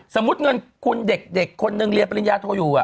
สมมุติเงินคุณเด็กคนนึงเรียนปริญญาโทอยู่